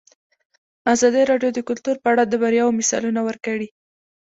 ازادي راډیو د کلتور په اړه د بریاوو مثالونه ورکړي.